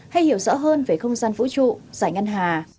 hay hiểu rõ hơn về không gian vũ trụ giải ngân hà